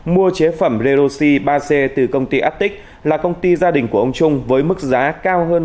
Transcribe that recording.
mua chế phẩm redoxi ba c từ công ty atic là công ty gia đình của ông trung với mức giá cao hơn